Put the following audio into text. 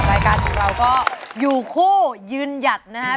รายการของเราก็อยู่คู่ยืนหยัดนะครับ